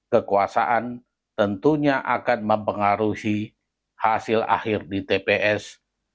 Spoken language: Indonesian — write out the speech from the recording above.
kekuasaan tentunya akan mempengaruhi hasil akhir di tps